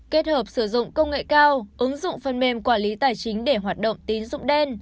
kết hợp sử dụng công nghệ cao ứng dụng phần mềm quản lý tài chính để hoạt động tín dụng đen